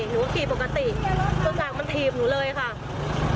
หนูก็ขี่ปกติต้นทางมันทีบหนูเลยค่ะ